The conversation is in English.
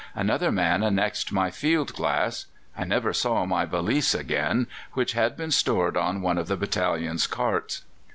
Another man annexed my field glass. I never saw my valise again, which had been stored on one of the battalion's carts.